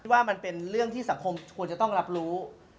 ว่ามันเป็นเรื่องที่สังคมควรจะต้องรับรู้